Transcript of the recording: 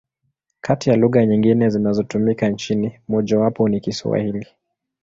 Kati ya lugha nyingine zinazotumika nchini, mojawapo ni Kiswahili.